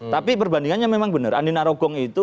tapi perbandingannya memang benar andina rogong itu